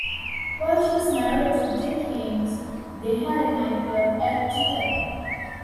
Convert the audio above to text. While she was married to Dick Haymes, they had a nightclub act together.